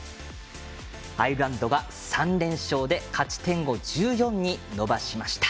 アイルランドが３連勝で勝ち点を１４に伸ばしました。